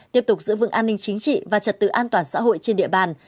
tiếp tục giữ vững an ninh chính trị và trật tự an toàn xã hội trên địa bàn